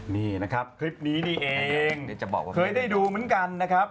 นี่นะครับคลิปนี้นี่เองเคยได้ดูเหมือนกันนะครับ